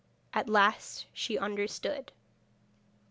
At last she understood.